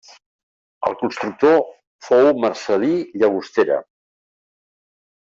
El constructor fou Marcel·lí Llagostera.